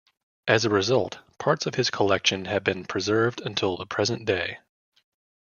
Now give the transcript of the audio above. As a result, parts of his collection have been preserved until the present day.